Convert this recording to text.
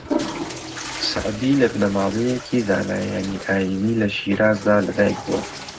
سەعدی لە بنەماڵەیەکی زانایانی ئایینی لە شیرازدا لە دایک بووە